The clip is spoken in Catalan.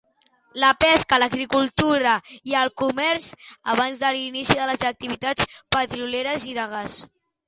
La pesca, l'agricultura i el comerç abans de l'inici de les activitats petrolieres i de gas.